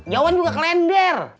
jauhan juga klender